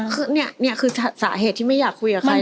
คือนี่คือสาเหตุที่ไม่อยากคุยกับใคร